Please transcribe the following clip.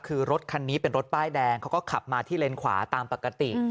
คือรถคันนี้เป็นรถป้ายแดงเขาก็ขับมาที่เลนขวาตามปกติ